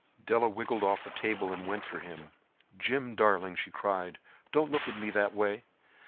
Della wriggled off the table and went for him. "Jim, darling," she cried, "don't look at me that way.